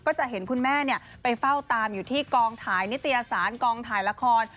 จะเห็นคุณแม่ไปเฝ้าตามอยู่ที่กองถ่ายนิตยสารกองถ่ายละคร